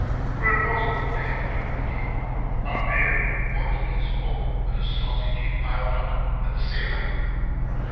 "Where was it," Dad joined in; "up here?" pointing his fork, with a sausage impaled on it, at the ceiling.